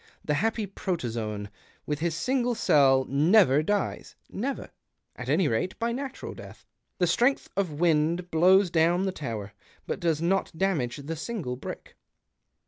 The happy protozoan, with his single cell, never dies — never, at any rate, by natural death. The strength of wind blows down the tower, but does not damage the single brick."